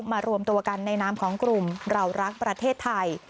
มารวมตัวกันในนามของกลุ่มเรารักประเทศไทย